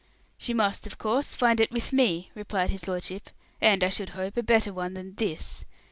"She must, of course, find it with me," replied his lordship; "and, I should hope, a better one than this.